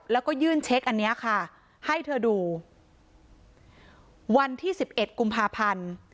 แล้วก็ยื่นเช็คอันเนี้ยค่ะให้เธอดูวันที่สิบเอ็ดกุมภาพันธ์